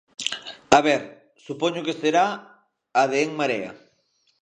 A ver, supoño que será a de En Marea.